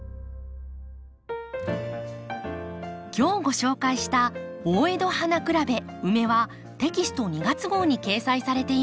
今日ご紹介した「大江戸花競べウメ」はテキスト２月号に掲載されています。